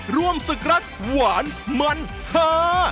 ร่วมศึกรักษ์หวานหมั่นหนา